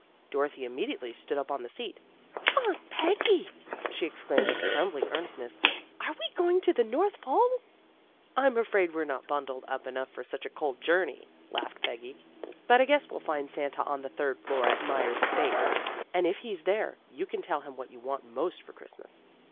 " Dorothy immediately stood up on the seat. "Aunt Peggy! " she exclaimed with trembling earnestness, " Are we going to the North Pole?" " I'm afraid we're not bundled up enough for such a cold journey," laughed Peggy. " But I guess we'll find Santa on the third floor at Myers and Bates. And, if he's there, you can tell him what you want most for Christmas."